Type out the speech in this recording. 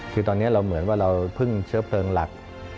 คือตอนนี้เราเหมือนว่าเราพึ่งเชื้อเพลิงหลัก